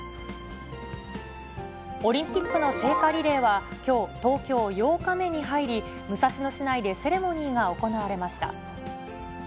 オリンピックの聖火リレーはきょう、東京８日目に入り、武蔵野市内でセレモニーが行われました。